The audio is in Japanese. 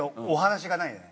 お話がない。